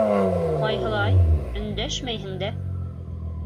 - Ҡайһылай... өндәшмәйһең дә...